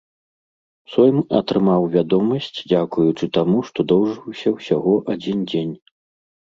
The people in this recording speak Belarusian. Сойм атрымаў вядомасць дзякуючы таму, што доўжыўся ўсяго адзін дзень.